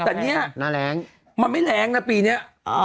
แต่เนี่ยมันไม่แรงนะปีเนี้ย